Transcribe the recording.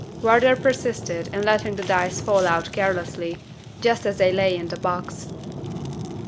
Wardour persisted in letting the dice fall out carelessly, just as they lay in the box.